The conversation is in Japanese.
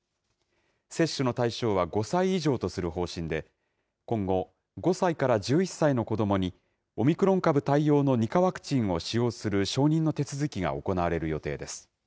接種の対象は５歳以上とする方針で、今後、５歳から１１歳の子どもに、オミクロン株対応の２価ワクチンを使用する承認の手続きが行われる予定です。